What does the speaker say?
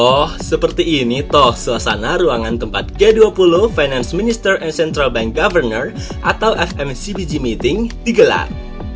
oh seperti ini toh suasana ruangan tempat g dua puluh finance minister and central bank governor atau fmcbg meeting digelar